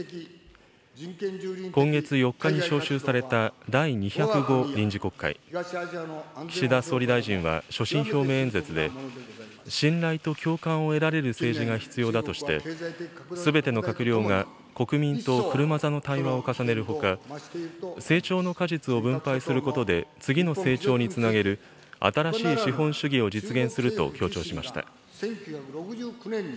今月４日に召集された第２０５臨時国会、岸田総理大臣は所信表明演説で、信頼と共感を得られる政治が必要だとして、すべての閣僚が国民と車座の対話を重ねるほか、成長の果実を分配することで次の成長につなげる新しい資本主義を実現すると強調しました。